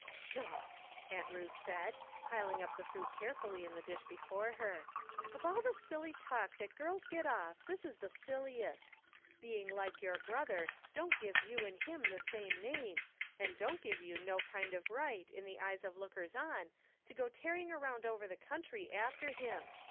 " Sho !" Aunt Ruth said, piling up the fruit carefully in the dish before her. " Of all the silly talk that girls get off, that is the silliest ! "Being like your brother don't give you and him the same name, and don't give you no kind of right, in the eyes of lookers on, to go tearing around over the country after him.